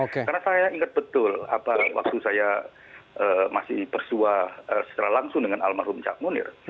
karena saya ingat betul waktu saya masih bersuara langsung dengan almarhum cak mundir